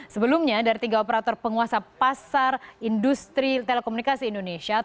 sebelumnya dari tiga operator penguasa pasar industri telekomunikasi indonesia